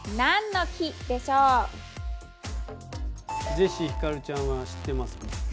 ジェシーひかるちゃんは知ってますか？